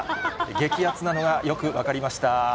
激あつなのがよく分かりました。